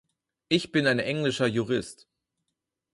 Ich bin ein englischer Jurist.